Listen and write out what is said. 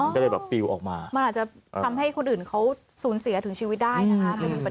ก็เลยแบบปิวออกมามันอาจจะทำให้คนอื่นเขาสูญเสียถึงชีวิตได้นะคะ